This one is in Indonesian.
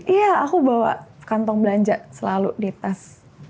iya aku bawa kantong belanja selalu dites